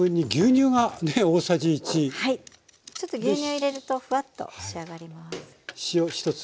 ちょっと牛乳入れるとフワッと仕上がります。